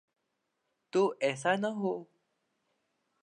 تو ایسا نہ ہو۔